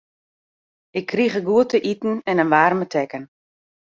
Ik krige goed te iten en in waarme tekken.